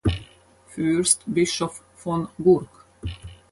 Fürstbischof von Gurk.